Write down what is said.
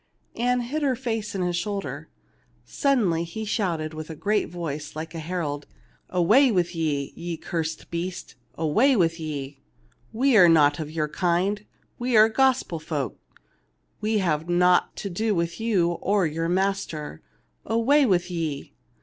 Ann hid her face on his shoulder. Suddenly he shouted, with a great voice like a herald : "Away with ye, ye cursed beast ! away with ye ! We are not of your kind ; we are gospel folk. We have naught to do with you or your master. Away with ye